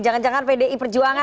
jangan jangan pdi perjuangan